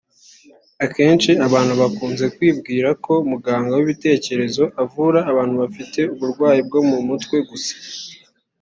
Akenshi abantu bakunze kwibwira ko Muganga w’ibitekerezo avura abantu bafite uburwayi bwo mu mutwe gusa